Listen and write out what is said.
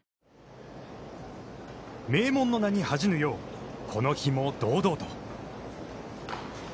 名門の名に恥じぬようこの日も堂々と。